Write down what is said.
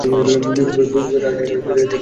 বিপ্লবের আকালে প্রিক্যারিয়েতই আজকের নায়ক।